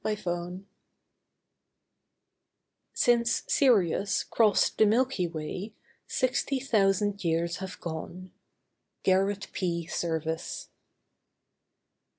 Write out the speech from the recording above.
SIRIUS 'Since Sinus crossed the Milky Way, sixty thousand years have gone.'—GARRETT P. SERVISS.